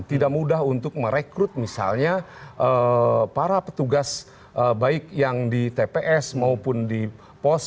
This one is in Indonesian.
tidak mudah untuk merekrut misalnya para petugas baik yang di tps maupun di pos